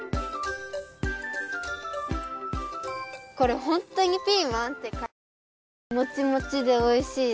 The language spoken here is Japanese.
これホントにピーマン？って感じにもちもちでおいしいです。